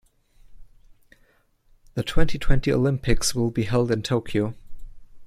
The twenty-twenty Olympics will be held in Tokyo.